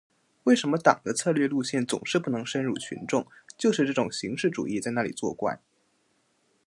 为什么党的策略路线总是不能深入群众，就是这种形式主义在那里作怪。